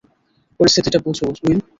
পরিস্থিতিটা বোঝ, উইল।